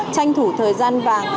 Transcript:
tranh thủ thời gian vàng